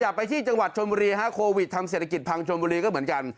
ไปที่จังหวัดชนบุรีฮะโควิดทำเศรษฐกิจพังชนบุรีก็เหมือนกัน